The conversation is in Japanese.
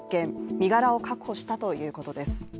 身柄を確保したということです。